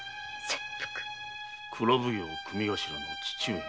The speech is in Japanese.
蔵奉行組頭の父上が？